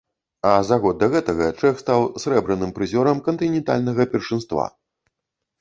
А за год да гэтага чэх стаў срэбраным прызёрам кантынентальнага першынства.